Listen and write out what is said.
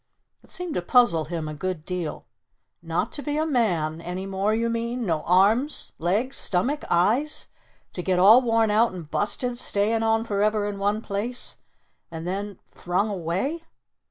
It seemed to puzzle him a good deal. "Not to be a man any more you mean? No arms? Legs? Stomach? Eyes? To get all worn out and busted stayin' on forever in one place? And then thrung away?